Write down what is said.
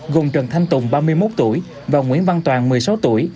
gồm trần thanh tùng ba mươi một tuổi và nguyễn văn toàn một mươi sáu tuổi